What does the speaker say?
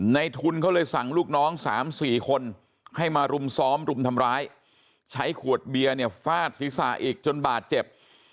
ในทุนเขาเลยสั่งลูกน้อง๓๔คนให้มารุมซ้อมรุมทำร้ายใช้ขวดเบียร์เนี่ยฟาดศีรษะอีกจนบาดเจ็บ